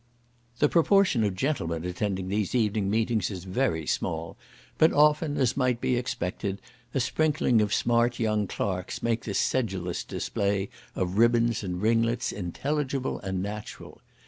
The proportion of gentlemen attending these evening meetings is very small, but often, as might be expected, a sprinkling of smart young clerks make this sedulous display of ribbons and ringlets intelligible and natural.